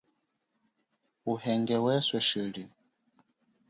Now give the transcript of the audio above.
Uhenge weswe uli chili.